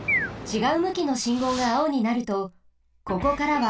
ちがうむきのしんごうがあおになるとここからは。